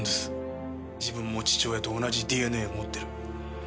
自分も父親と同じＤＮＡを持ってる。